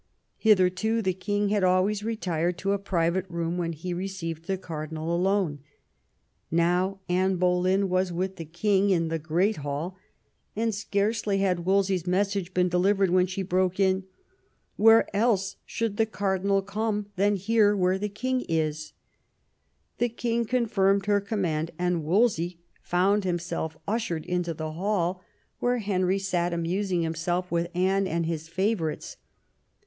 Hitherto the king had always retired to a private room when he received the cardinal alone. Now Anne Boleyn was with the king in the great hall, and scarcely had Wolsey's message been delivered than she broke in, "Where else should the cardinal come than here where the king isl" The king con firmed her command, and Wolsey found himself ushered 160 THOMAS WOLSEY chap. into the hall, where Henry sat amusing himself with Anne and his favourites.